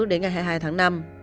đến ngày hai mươi hai tháng năm